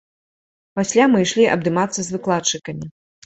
Пасля мы ішлі абдымацца з выкладчыкамі.